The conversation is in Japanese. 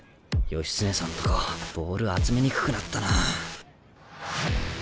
義経さんとこボール集めにくくなったな。